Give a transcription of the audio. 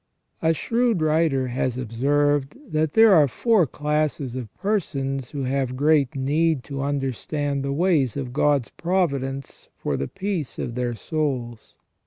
A shrewd writer has observed that there are four classes of persons who have great need to understand the ways of God's providence for the peace of their souls.